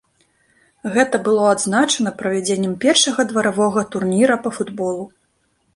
Гэта было адзначана правядзеннем першага дваровага турніра па футболу.